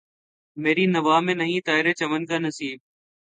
مری نوا میں نہیں طائر چمن کا نصیب